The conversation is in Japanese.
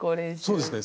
そうですね。